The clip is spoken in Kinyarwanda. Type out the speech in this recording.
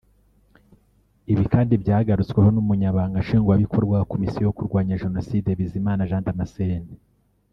Ibi kandi byagarutsweho n’umunyamabanga nshingwabikorwa wa Komisiyo yo kurwanya Jenoside Bizimana Jean Damascene